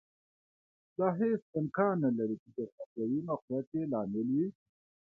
دا هېڅ امکان نه لري چې جغرافیوي موقعیت یې لامل وي